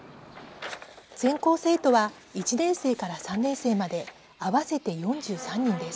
全校生徒は１年生から３年生まで合わせて４３人です。